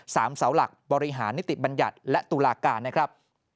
เสาหลักบริหารนิติบัญญัติและตุลาการนะครับ